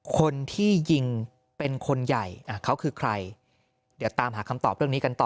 คนที่ยิงเป็นคนใหญ่เขาคือใครเดี๋ยวตามหาคำตอบเรื่องนี้กันต่อ